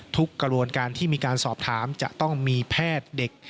กระบวนการที่มีการสอบถามจะต้องมีแพทย์เด็ก